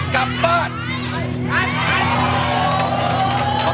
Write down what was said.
กลับบ้าน